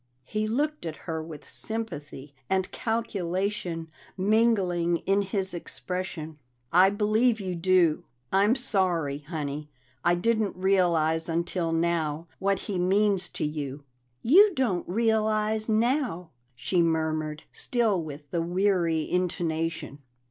He looked at her with sympathy and calculation mingling in his expression. "I believe you do. I'm sorry, Honey; I didn't realize until now what he means to you." "You don't realize now," she murmured, still with the weary intonation.